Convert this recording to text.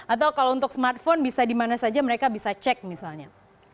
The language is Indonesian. atau kalau untuk smartphone bisa dimana saja mereka bisa cek misalnya